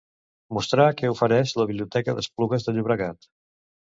Mostrar què ofereix la biblioteca d'Esplugues de Llobregat.